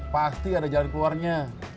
pasti ada jalan keluarnya